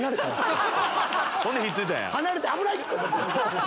離れて危ない！って。